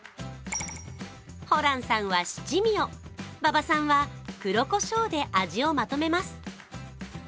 ホランさんは七味を、馬場さんは黒こしょうで味をまとめます。